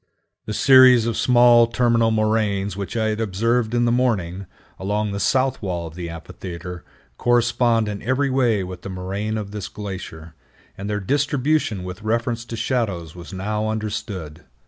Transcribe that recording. The series of small terminal moraines which I had observed in the morning, along the south wall of the amphitheater, correspond in every way with the moraine of this glacier, and their distribution with reference to shadows was now understood.